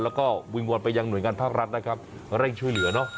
แล้วก็วิงวอนไปยังหน่วยงานภาครัฐนะครับเร่งช่วยเหลือเนอะ